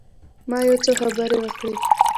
ما یو څو خبرې وکړې.